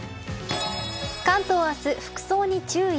関東明日、服装に注意。